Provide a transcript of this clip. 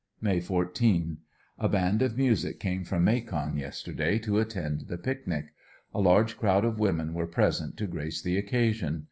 May 14. — A band of music came from Macon yesterday to attend the pic nic. A large crowd of women were present to grace the occasion.